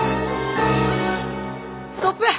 ストップ！